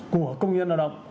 của công nhân lao động